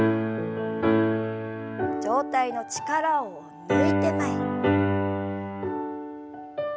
上体の力を抜いて前に。